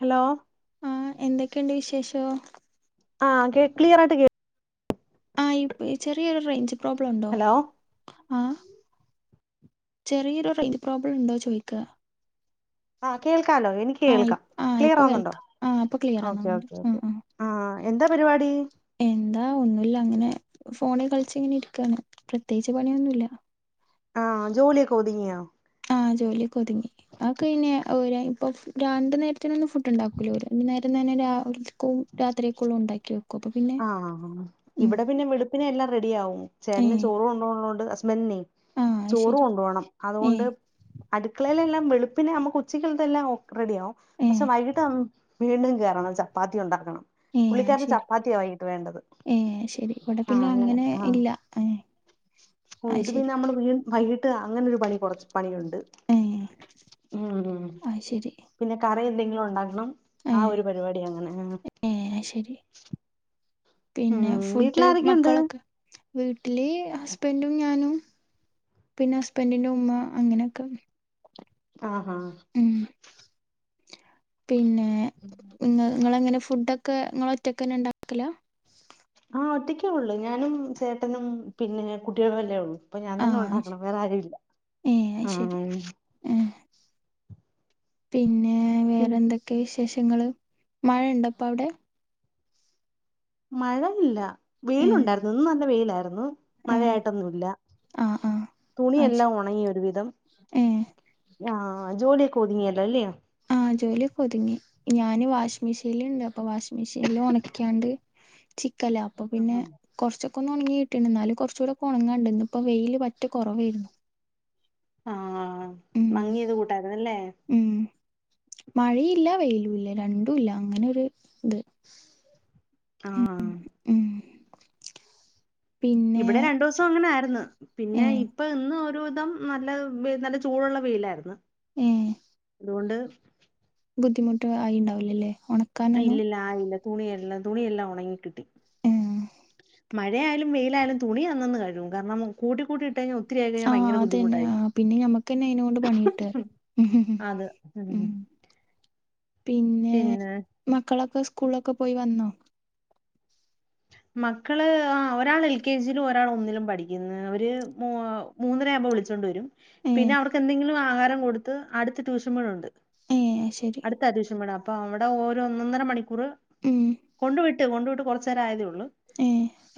Hello ആഹ് എന്തൊക്കെയുണ്ട് വിശേഷം? ആഹ് കേ ക്ലിയർ ആയിട്ട് കേ ആഹ് ഇപ്പ് ചെറിയൊരു റേഞ്ച് പ്രോബ്ലം ഉണ്ടോ? ഹലോ ആഹ്. ചെറിയൊരു റേഞ്ച് പ്രോബ്ലം ഉണ്ടോ ചോയിക്ക. ആഹ് കേൾ ൾക്കാലോ എനിക്ക് കേൾക്കാം. ആഹ് ക്ലിയർ ഇപ്പൊ ആകുന്നുണ്ടോ? കേൾക്ക ആഹ് ഇപ്പൊ ക്ലിയർ ഓക്കേ ആവുന്നുണ്ട് ഓക്കേ ഓക്കേ ആഹ് ആഹ് എന്താ പരിപാടി? ആഹ് ഒന്നുല്ല അങ്ങനെ ഫോണിൽ കളിച്ച് ഇങ്ങനെ ഇരിക്കയാണ്. പ്രത്യേകിച്ച് പണിയൊന്നുല്ല. ആഹ് ജോലിയൊക്കെ ഒതുങ്ങിയോ? ആഹ് ജോലിയൊക്കെ ഒതുങ്ങി. ആക്കെ പിന്നെ ഒരായു പ്പം രണ്ട് നേരത്തിനൊന്നും ഫുഡ്ണ്ടാക്കൂല്ല ഓര് ഒരു നേരം തന്നെ രാ ക്കും രാത്രിയിക്കുള്ള ഉണ്ടാക്കി വെക്കും അപ്പം ആഹ് ഇവിടെ പിന്നെ വെളുപ്പിനെ എല്ലാം റെഡിയാവും ചേട്ടന് ഏഹ് ചോറ് കൊണ്ടോണുള്ളതുകൊണ്ടു ഹസ്ബൻഡിനെ ആഹ് ചോറ് അയ്ശരി കൊണ്ട് പോണം അതുകൊണ്ട് ഏഹ് അടുക്കളയിലെല്ലാം വെളുപ്പിനെ നമുക്ക് ഉച്ചയുക്കുള്ള തെല്ലാം റെഡി ആവും പക്ഷെ ഏഹ് വൈകിട്ട് വീണ്ടും കയറണം ചപ്പാത്തി ഉണ്ടാക്കണം ഏഹ് അത് പുള്ളിക്കാരന് ശരി ചപ്പാത്തിയാ വൈകിട്ട് വേണ്ടത് ഏഹ് അത് ശരി ഇവിടെ ആ പിന്നെ അങ്ങനെ ആ ഇല്ല ഏഹ് ഓ അത് ഇത് പിന്നെ ശരി നമ്മള് വീ വൈകിട്ട് അങ്ങനൊരു പണി കൊറച്ച് പണിയുണ്ട് ഏ ഉം അത് ശരി പിന്നെ കറി എന്തെങ്കിലും ഉണ്ടാക്കണം ഏ ആഹ് ഒരു പരിപാടി അങ്ങനെ ഏ അത് ശരി ഉം പിന്നെ ഫുഡ് വീട്ടിലാരൊക്കെയുണ്ട് മക്കളൊക്കെ വീട്ടില് ഹസ്ബൻഡും ഞാനും പിന്നെ ഹസ്ബൻഡിന്റെ ഉമ്മ അങ്ങനെയൊക്കെ ആഹ് ആഹ് ഉം പിന്നെ നിങ്ങള് എങ്ങനെ ഫുഡൊക്കെ നിങ്ങള് ഒറ്റക്കന്നെ ഉണ്ടാക്കലാ? ആ ഒറ്റക്കേ ഉള്ളൂ ഞാനും ചേട്ടനും പിന്നെ കുട്ടികളും വല്ലേ ഉള്ളൂ അപ്പൊ ഞാൻ ആ തന്നെ ഉണ്ടാക്കണം വേറെ ആരുല്ല. ഏ അത് ശരി ആഹ് ഏ പിന്നെ പിന്നെ വേറെന്തൊക്കെ വിശ് വിശേഷങ്ങള് മഴ ഉണ്ടപ്പൊ അവിടെ? മഴയില്ല ഏ വെയിലുണ്ടായിരുന്നു ഇന്നും നല്ല വെയിലായിരുന്നു ആ മഴയായിട്ടൊന്നുംല്ല ആ ആ അത് ശരി തുണില്ലാം ഉണങ്ങി ഒരു വിധം. ഏ ആഹ് ജോലി കോതിങ്ങല്ല അല്ലയാ ആഹ് ജോലിക്കെ ഒതുങ്ങി ഞാന് വാഷിംഗ മെഷീനൽ ഇണ്ട് അപ്പൊ വാഷിംഗ മെഷീനിില് ഉണക്കാണ്ട് ചിക്കല്ല അപ്പൊ പിന്നെ ആഹാ കുറച്ചൊ പക്കന്ന് ഉണങ്ങിയിട്ടി എന്നാലല് കുറച്ചുകൂടെ ഉണങ്ങാണ്ടിന്ന് ഇപ്പൊ വെയിയില് മറ്റ കുറവായിരുന്നു ആഹ ഉം മങ്ങിയത് കൂട്ടായിന്നല്ലേ ഉം മഴയില്ല വെയിലും ഇല്ല രണ്ടും ഇല്ല അങ്ങനെരു ഇത് ആഹ് ഉം [inaudible] പിന്നെ ഇവിടെ രണ്ടു ദിവസം അങ്ങനെ ആയിന്ന് ഏ പിന്നെ ഇപ്പ ഇന്ന് ഓ ഇം നല്ല നല്ല ചൂടുള്ള വെയിലായിരുന്നു ഏഹ് അതുകൊണ്ട് ബുദ്ധിമുട്ട്ഉണ്ടാവില്ലല്ലേ ഇല്ല ഇില്ല ആയില്ല തുണിെല്ലാം തുണിെല്ലാം ഉണങ്ങിക്കിട്ടി മഴയായാലും വെയിലായാലും തുണി അന്നന്ന് കഴുകും കാരണം കൂട്ടി കൂട്ടിട്ട കഴിഞ്ഞാ ആഹ് അതന്നെ ആ പിന്നെ ഞക്ക്ന്നെ അയിതിനകൊണ്ട് പണിയിട്ട അത് ഉ പിന്നെ മക്കളൊക്കെ സ്കൂളൊക്കെ പോയി വന്നോ? [inaudible] മക്കള് ആ ഒരാൾ എൽ കെ ജിയിലും ഒരാൾ ഒന്നിലും പഠിക്കുന്ന അവര് മൂന്നര ആകുമ്പോൾ വിളിച്ചൊണ്ട വരും ഏ പിന്നെ അവർക്ക് എന്തെങ്കിലും ആഹാരം കൊടുത്ത് അടുത്ത ട്യൂഷൻ പോഴ ഉണ്ട് ഏ ശരി അടുത്ത അത്വശ്യം കട അപ്പൊ അവിടെ ഓ ഒന്നൊന്നര മണിക്കൂർ ഉം കൊണ്ടു വിട്ട് കൊണ്ടു വിട്ട് കുറച്ച് ഏ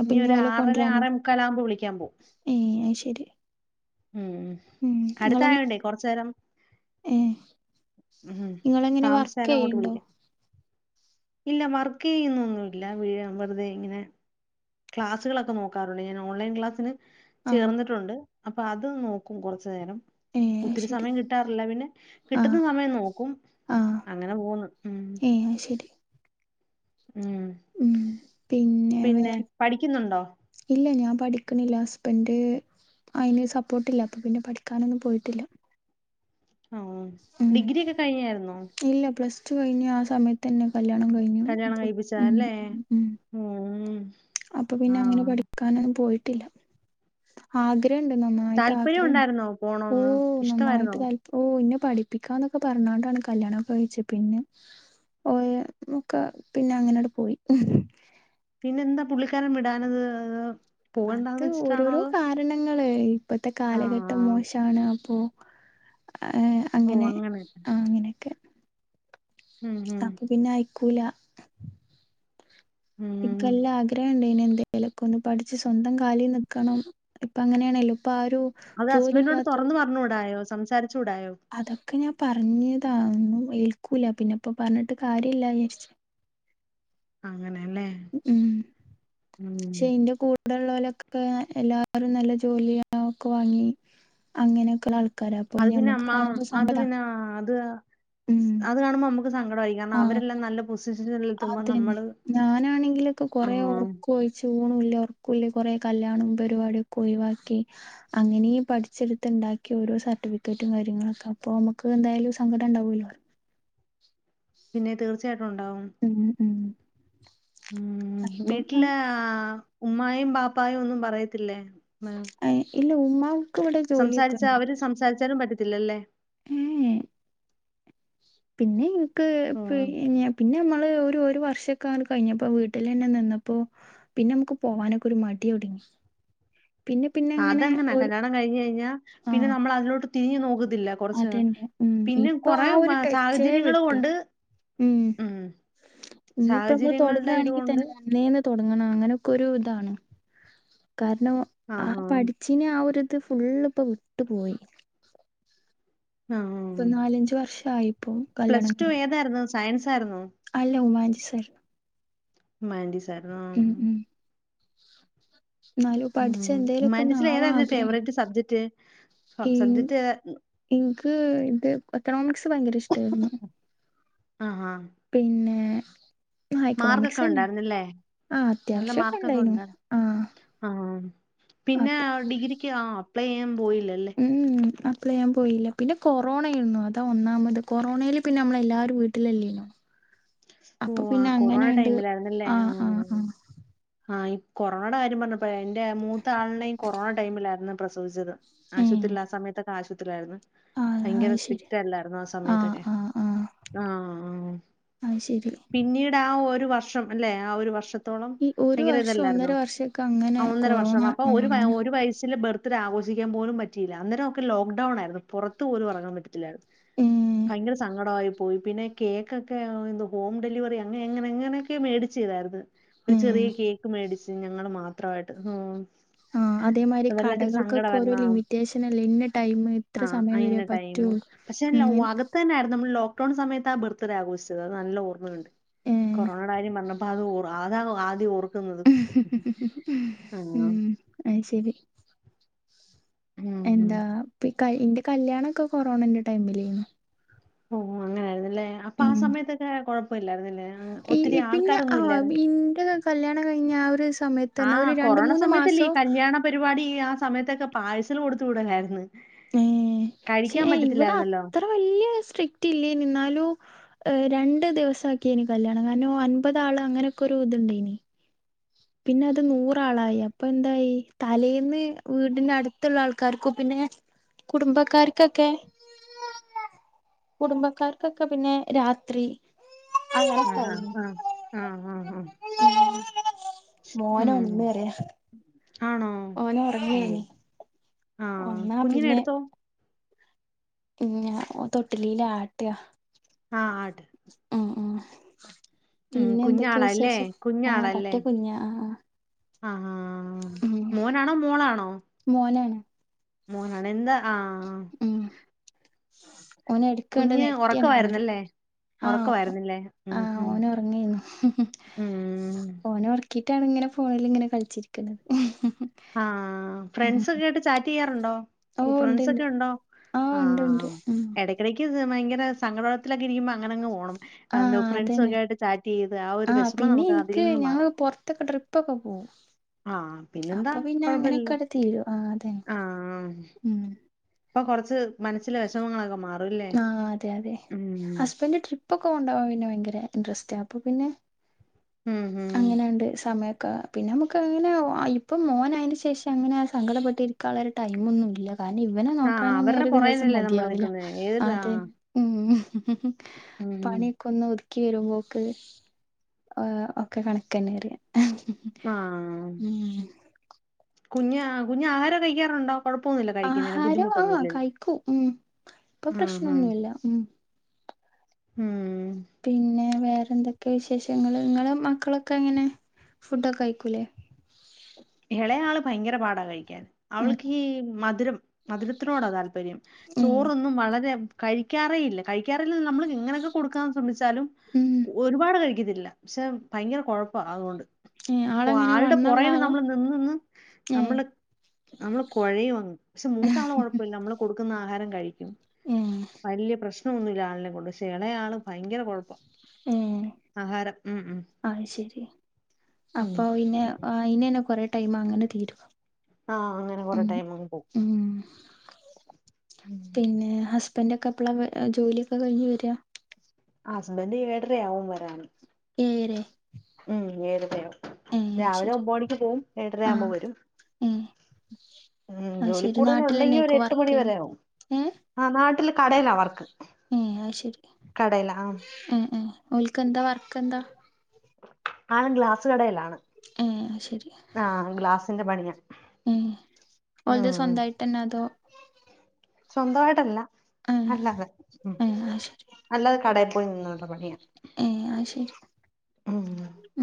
അപ്പൊ ഇനി ഓല ആറര കൊണ്ടുവരാനും ആറേ മുക്കാലാകുമ്പോ വിളിക്കാൻ പോവും ഏ അ ശരി ഉം ഉം നിങ്ങള് അടുത്തായോണ്ടേ കൊറച്ചു നേരം ഏ ഉം നിങ്ങളെങ്ങനെ വർക്ക് താമസാലെ അങ്ങോട്ട് ചെയ്യണ്ടോ വിളിക്കാം ഇല്ല വർക്ക് ചെയ്യുന്നൊന്നുമല്ല വിഴ വെറുതെ ഇങ്ങനെ ക്ലാസുകളൊക്കെ നോക്കാറുള്ളു ഞാൻ ഓൺലൈൻ ക്ലാസിന് ആഹ് ചേർന്നിട്ടുണ്ട് അപ്പൊ അത് നോക്കും കുറച്ചു നേരം ഏ അത് ഒത്തിരി ശരി സമയം കിട്ടാറില്ല പിന്നെ കിട്ടുന്ന ആഹ് സമയം നോക്കും ആഹ് അങ്ങനെ പോന്ന് ഉം ഏ അത് ശരി ഉം ഉം പിന്നെ പിന്നെ വേറെ പഠിക്കുന്നുണ്ടോ ഇല്ല ഞാൻ പഠിക്കുന്നില്ല ഹസ്ബൻഡ് അയിന് സപ്പോർട്ടില്ല അപ്പൊ പിന്നെ പഠിക്കാനൊന്നും പോയിട്ടില്ല ആഹ് ഡിഗ്രിയൊക്കെ കഴിഞ്ഞായിരുന്നോ പഠിച്ച് കഴിഞ്ഞ് ആഹ് സമയത്ത് തന്നെയാ കല്യാണം കഴിപ്പിച്ചതാ അല്ലേ ഉം ഉം അപ്പൊ ആ പിന്നെ അങ്ങനെ പഠിക്കാനൊന്നും പോയിട്ടില്ല ആദ്യം താല്പര്യം [unintelligible] ഉണ്ടായിരുന്നോ ഓ പോണോന്ന് ഇഷ്ടമായിരുന്നോ നന്നായിട്ട് വാ ഓ ഇന്നെ പഠിപ്പിക്കാന്നൊക്കെ പറഞ്ഞതാണ് കല്യാണവൊക്കെ കഴിച്ചാ പിന്നെ ഓ ഒക്കെ പിന്നെ അങ്ങനെയങ്ങട്ട് പോയി പിന്നെ എന്താ പുള്ളിക്കാരൻ വിടാഞ്ഞത് അത് ഓരോരോ കാരണങ്ങ ള് ഇപ്പത്തെ ആ ആ. കാലഘട്ടം മോശമാണ് അപ്പൊ അങ്ങനെ അങ്ങനെയൊക്കെ ഉം അപ്പൊ ഉം പിന്നെ അയ്ക്കൂല ഉം ഇക്ക്ല്ല ആഗ്രഹണ്ട് യ്ന് എന്തേലൊക്കെ ഒന്ന് പഠിച്ച് സ്വന്തം കാലിൽ നിക്കണം ഇപ്പൊ അങ്ങനെയാണല്ലോ പ്പ ആരു അത് ഹസ്ബൻഡിനോട് ജോലിയില്ലാത്തോര് തുറന്ന് പറഞ്ഞൂടായോ സംസാരിച്ചൂടായോ അതൊക്കെ ഞാൻ പറഞ്ഞതായ്ന്നു ഏൽക്കൂല പിന്നെപ്പൊ പറഞ്ഞിട്ട് കാര്യല്ലാഏര്ച്ചു അങ്ങനെല്ലേ ഉം ഉം ക്ഷെ ഇന്റെ കൂട് ടെള്ളോലൊക്കെ എല്ലാരും നല്ല ജോലി ഒക്കെ വാങ്ങി അങ്ങനെയൊക്കെ ആൾക്കാ അത് പിന്നെ അമ്മ അത് പിന്നെ അത് ഉം അത് കാണുമ്പ മ്മക്ക് സങ്കടമായി കാരണം ആഹ് അവരെല്ലാം നല്ല പൊസിഷ അതന്നെ ഞാനാണെങ്കിലൊക്കെ കൊറെ ആഹ് ഒർക്കൊഴിച്ചു ഊണുല്യ ഒർക്കുല്യ കൊറെ കല്യാണും പരുപാടിക്കൊഴിവാക്കി അങ്ങനെയും പഠിച്ചെടുത്ത്ണ്ടാ ക്കി ഓരോ സർട്ടിഫിക്കറ്റും കാര്യങ്ങളൊക്കെ അപ്പൊ നമുക്ക് എന്തായാലും സങ്കടം ഉണ്ടാവൂലോ. പിന്നെ തീർച്ചയായിട്ടും ഉണ്ടാവും. ഉം ഉം ഉം അപ്പം ഞാൻ വീട്ടിലെ ആ ഉമ്മായും ബാപ്പായും ഒന്നും പറയത്തില്ലേ മേ ഏഹ് ഇല്ല ഉമ്മാ സംസാരിച്ച അവര് സംസാരിച്ചാലും പറ്റത്തില്ലല്ലേ ഏഎ പിന്നെ ഇൻക്ക് ഉം പിന്നെ പിന്നെ മ്മ [inaudible] ഒരു വർഷക്കാണ്ട് കഴിഞ്ഞപ്പോ വീട്ടിലെന്നെ നിന്നപ്പോ പിന്നെ നമുക്ക് പോകാനൊക്കെ ഒരു മടി തുടങ്ങി [inaudible] അതങ്ങനെ കല്യാണം കഴിഞ്ഴിഞ്ഞാ പിന്നെ ആഹ് നമ്മൾ അതിലോട്ട് തിരിഞ് നോക്ക ത്തില്ല കുറച്ച് നാൾ അതന്നെ ഉം പിന്നെ ഇപ്പൊ കൊറേ ആ ഒരു ബ ടച്ചേ സാഹചര്യങ്ങള് വിട്ട് കൊണ്ട് ഉം ഇനിയിപ്പ നമ്മൾ സാഹചര്യങ്ങളുടെ തുടങ്ങുകയാണെങ്കിൽ ഇതുകൊണ്ട് തന്നെ ഒന്നേന്ന്തൊട് തുടങ്ങണം അങ്ങനെക്കൊരു താണ് കാരണം ആ ആഹ് ആഹ് പഠിച്ചെന് ആ ഒരു ത് ഫുള്ള്പ്പൊ വിട്ടു പോയി. പ്പൊ ആഹ് നാലഞ്ചു വർഷയിപ്പോ പ്ലസ് കല്യാണം ടു കഴിഞ്ഞിട്ട് ഏതായിരുന്നു സയൻസ് ആയിരുന്നോ അല്ല ഉമാന്റിസയ് ഉമാന്റിസായ്ര്ന്നോ ന്നാലു ഉം പഠിച്ചെന്തേലൊക്കെ ഒന്ന് ഹ്യുമാനിറ്റീസിൽ ആവാൻ ഏതായിരുന്നു ആഗ്രഹണ്ട് ഫേവറേറ്റ് സബ്ജക്ട് ഇൻ സബ്ജക്ട് ഇൻക്ക് ഇത് എക്കണോമിക്സ് ഭയങ്കര ഇഷ്ടായിരുന്നു പിന്നേ മാർഗൊക്കെ ഉണ്ടായിരുന്നില്ലേ? ആ നല്ല അത്യാവശ്യമൊക്കെ മാർക്കൊക്കെ ഉണ്ടായിരുന്നു ഉണ്ട്. ആ ആഹ് പിന്നെ അപ്പൊ ഡിഗ്രിക്ക് ആഹ് പ്ലയ്യാൻ പോയില്ലല്ലേ പ്ലയ്യാൻ പോയില്ല. പിന്നെ കൊറോണ ആയിരുന്നു അതാ ഒന്നാമത് കൊറോണയിൽ പിന്നെ അമ്മള എല്ലാവരും വീട്ടിലല്ലേനോ അപ്പൊ ഓഹ് പിന്നെ ആഹ് കൊറോണ അങ്ങനെയണ്ട് ടൈമിലായിരുന്നല്ലേ ആഹ് ആഹ് ആഹ് [unintelligible] ആഹ് ഈ കൊറോണയുടെ കാര്യം പറഞ്ഞപ്പഴ എന്റെ മൂത്ത ആളിനെയ് ഈ കൊറോണ ടൈമിലായിരുന്നു പ്രസവച്ചത്. ഏഹ് ആശുപത്രിയില ആഹ് സമയത്തൊക്കെ ആശുപത്രിയിലായിരുന്നു. ആഹ് ഭയങ്കര അത് ശരി സ്ട്രിക്റ്റ് അല്ലായിര്ന്നോ ആ ആഹ് സമയത്തൊക്കെ. ആഹ് ആഹ് ആഹ് ആഹ് അത് ശരി പിന്നീട് ആ ഒരു വർഷം അല്ലെ ആ ഒരു വർഷ ത്രത്തോളം ഈ ഒരു ഭയങ്കര വർഷം ഒന്നര ഇതല്ലായിരുന്നോ? വർഷൊക്കെ അങ്ങനെ ആഹ് ഒന്നര വർഷം. കൊറോണ അപ്പൊ ആഹ് ഒരു വെ അങ്ങനെ ഒരു വയസില് ബർത്ത് ത്തിടെ ആഘോഷിക്കാൻ പോലും പറ്റിയില്ല. അന്നേരം നമുക്ക് ലോക്ക്ഡൌൺ ആയിരുന്നു പുറത്ത് പോലും എറങ്ങാൻ പറ്റത്തില്ലായിരുന്നു. ഏഹ് ഭയങ്കര സങ്കടയി പോയി. പിന്നെ കേക്കൊക്കെ എ ഹോം ഡെലിവറി. അ എങ്ങനെ എങ്ങനെയൊക്കെ മേടിച്ചതായിരുന്നു. ഒരു ചെറിയ ഏഹ് കേക്ക് മേടിച്ചു. ഞങ്ങള് മാത്രായിട്ട്. ഹ് അതേമാരി കടകൾക്കൊക്കെ ഓരോ ലിമിറ്റേഷനല്ലേ ഇന്ന ടൈം ഇത്ര സമയം വരേ പറ്റുള്ളൂ. പക്ഷേ ഉം വകത്ത് തന്നായിരുന്നു. നമ്മളോ ലോക്ക്ടോൺ സമയത്താ ബർത്ത്ഡ ആഘോഷിച്ചത്. അത് നല്ല ഓർമ്മയുണ്ട് ഏഹ് കൊറോണയുടെ കാര്യം പറഞ്ഞപ്പോ അത് ഓർ അതാ ആദ്യം ഓർമ ഹ് ആഹ് ഉം അയിശെരി. ഉം എന്താപോ ഇന്റെ കല്യാണൊക്കെ കൊറോണന്റെ ടൈമിലെന്നു. ഓ അങ്ങനൊയിരുന്നല്ലേ? അപ്പൊ ആ സമയത്തൊക്കെ കൊഴപ്പല്ലായിരുന്നില്ലേ? ഈ ഒത്തിരി ഈ പിന്നെ ആ ആൾക്കാരൊന്നും ഇല്ലായിന്നലേ? ഇന്റെ കല്യാണം കഴിഞ്ഞ ആ ഒരു സമയത്ത് തന്നെ ആഹ ഒരു രണ്ട് കൊറോണ മൂന്ന് സമയത്തല്ലേ ഈ മാസം കല്യാണ പരിപാടി ആ സമയത്തൊക്കെ പാഴ്സൽ കൊടുത്ത വിടലായിരുന്ന്. ഏഹ് പക്ഷേ ഇവിടെ അത്ര വല്യ സ്ട്രിക്റ്റ് ഇല്ലേന്നു ന്നാലും രണ്ടു ദിവസാക്കേനി കല്യാണം കാരണം അൻപത് ആള് അങ്ങനെയൊക്കെ ഒരു ഇതുണ്ടേനി. പിന്നെ അത് നൂറാളായി. അപ്പൊ എന്തായി തലേന്ന് വീടിന്റെ അടുത്തുള്ള ആൾക്കാർക്കും പിന്നെ ഏ കുടുംബക്കാർക്കൊക്കെ കുടുംബക്കാർക്കൊക്കെ പിന്നെ രാത്രി. ആ ആ ആഹ് ആഹ ആ ആ മോന് ഉം ഒണന്ന്റിയാ ആണോ? ഓ ഒണന്നാ പിന്നെ ന്ന ഓ തൊട്ടിലീൽ ആട്ടാ. ആ ആട്ടെ മ്മ് മ്മ് ഉം പിന്നെ എന്തൊക്കെയാ കുഞ്ഞാളല്ലേ വിശേഷം? ആ കുഞ്ഞാളല്ലേ പറ്റെ കുഞ്ഞാ ആഹ്. ആഹ് മോനാണോ മോളാണോ? മോന് മോനാണെ ന്താ ഉം ഓന് എടുക്കണ്ട് കുഞ്ഞ് നെറ്റിയാണ് ഓണരും ഒറക്കമായിര്ന്നല്ലേ ആഹ് ഒറക്കമായിരുന്നില്ലേ ഉം ആഹ് ഹ് ഓന് ഉറങ്ങേന്നു ഉം റ്റാണ് ങ്ങനെ ഫോണിലിങ്ങനെ കൾച്ചിരിക്കാണ്. ആഹ് ഫ്രണ്ട്സൊക്കയിട്ട് ചാറ്റെയ്യാറുണ്ടോ? ഓ കൂ ഉണ്ട്ണ്ട് ഫ്രണ്ട്സൊക്കെണ്ടോ ഉണ്ട് ആഹ് ഉണ്ട് ഉം എടക്കെടക്ക് ത് ഭയങ്കര സങ്കട [unintelligible] ത്തിലൊ ക്കെരിക്കുമ്പോ അങ്ങനങ് പോണം. ആ ആഹ് ന്തോ അതന്നെ ഫ്രണ്ട്സൊക്കായിട്ട് ചാറ്റെയ്ത് ആ ഒര് ആഹ് വെഷമം പിന്നെ നമുക്ക് അതിൽ എനിക്ക് നിന്ന് മാറും. ഞങ്ങള് പുറത്തൊക്കെ ട്രിപ്പൊക്കെ പോവും ആഹ് പിന്നെന്താ? അപ്പൊ പിന്നെ അങ്ങനെയൊക്കെ കൊഴപ്പല്ലല്ലോ. അട് തീരും ആ അതെന്നെ ഉം അപ്പോ കൊറച്ച് മനസ്സിലെ വിഷമങ്ങളൊക്കെ മാറും ആ അതെ അതെ ഹസ്ബൻഡ് ട്രിപ്പ് ഒക്കെ ണ്ടവാ പിന്നെ ഭയങ്കര ഇൻട്രസ്റ്റ അപ്പൊ പിന്നെ ഉം ഉം അങ്ങനണ്ട് സമയ പിന്നെ ഞമ്മക് അങ്ങനെ ഇപ്പം മോനായിന്റെ ശേഷം അങ്ങനെ സങ്കടപ്പെട്ടിരിക്കാനുള്ള ടൈംമൊന്നുല്ല കാരണം ഇവനെ ആഹ് നോക്കാനെന്നെ അവരുടെ ഒരു ദിവസം പൊറകിലല്ലേ നമ്മള് മതിയാവൂല നിക്കുന്നേ ഏത് അതെ ആഹ് ഉം ഹ് ഉം പണിയൊക്കെ ഒന്നൊതുക്കി വരുമ്പോക്ക് ആ അ ക്കെ കണക്കെന്നെ റിയാ ആ കുഞ് കുഞ്ഞ് ആഹാരൊക്കെ കഴിക്കാറുണ്ടോ കൊഴപ്പൊന്നുല്ല കഴിക്കുന്നതിന് ആഹാരം ആ ബുദ്ധിമുട്ടൊന്നുല്ല കഴിക്കും ഉം ഇപ്പൊ ആ ആ പ്രശ്നൊന്നുല്ല ഉം ഉം പിന്നെ വേറെ ന്തൊക്കെ വിശേഷങ്ങള് ങ്ങളും മക്കളൊക്കെങ്ങനെ ഫുഡൊക്കെ കയിക്കൂലേ എളയാള് ഭയങ്കര പാടാ കഴിക്കാൻ ഉം അവൾക്കീ മധുരം മധുരത്തിനോടാ താൽ പര്യം ഉം ചോറൊന്നും വളരെ കഴിക്കാറേ ഇല്ല കഴിക്കാറില്ല നമ്മ എങ്ങനെക്കെ കൊടുക്കാ ശ്രമി ച്ചാലും ഉം ഒര്പാട് കഴിക്കത്തില്ല. പക്ഷെ ഭയങ്കര കൊഴപ്പാ അതുകൊണ്ട് ഏ ഇപ്പൊ ആളെങ്ങനെ ആൾടെ പൊറേ വണ്ണള്ള ആളാ നമ്മൾ നി ന്ന്ന്ന് ന്ന്ന്ന് ഏ നമ്മള് നമ്മള് കൊഴയും അങ്ങ് പക്ഷെ മൂത്ത ആള് കൊഴപ്പല്ല നമ്മള് കൊട്ക്ക്ന്ന ആഹാരം കഴിക്കും ഏ വല്ല്യ പ്രശ് നോന്നുല്ല ആളിനെ കൊണ്ട് ക്ഷേ എളേയാള് ഭയങ്കര കൊഴപ്പ ഏ ആഹാരം മ് മ് അത് ശരി അപ്പൊ ഇന്നെ ഐനെന്നെ കൊറെ ടൈമ് അങ്ങനെ തീരും. ആ അങ്ങനെ കൊറെ ഉം ടൈമ് അങ്ങ് പോകും. ഉം പിന്നെ ഹസ്ബന്റൊക്കെ എപ്പളാ ജോലിഒക്കെ കഴിഞ് വെരാ ഹസ്ബന്റ് എഴരയാവും വരാന് ഏഴരേ- ഉം ഏഴര രാവിലെ ശരി ഒമ്പത് മണിക്ക് പോകും ആ ഏഴരയാവുമ്പോ വരും. ഏ ഉം അത് ശരി ജോലിക്കൂടുതൽ ഉണ്ടെങ്കി ഒര് നാട്ടിലന്നേക്കും എട്ട് വർക്ക് മണി വരെ ചെയ്യണെ ആവും. ഏ ആ നാട്ടിൽ കടേലാ വർക്ക് ഏ അത് ശെരി കടയിലാ ആ മ് മ് ഓൽക്കെന്താ വർക്കെന്താ ആണ് ഗ്ലാസ് കടേലാ ഏ അത് ശെ ആ ഗ്ലാസിന്റെ പണിയാ ഏ ഓലത് ഉം സ്വന്തായ്ട്ടെന്നെ അതോ സ്വന്തമായിട്ടല്ല. ഏ അല്ലാതെ മ് ഏ അത് ശരി അല്ലാതെ കടേൽ പോയി നിന്നുള്ള പണിയ ഏ അത് ശെരി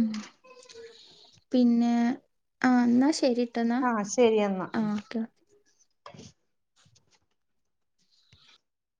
മ് പിന്നെ ആ ന്നാ ശെരി ആ ശെരി എന്നാ